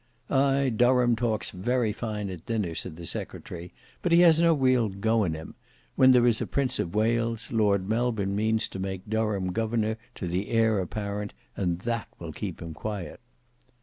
"Ay; Durham talks very fine at dinner," said the secretary, "but he has no real go in him. When there is a Prince of Wales, Lord Melbourne means to make Durham governor to the heir apparent, and that will keep him quiet."